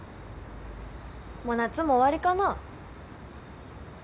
もう夏も終わりかな？